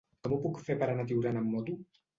Com ho puc fer per anar a Tiurana amb moto?